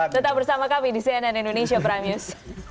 tetap bersama kami di cnn indonesia prime news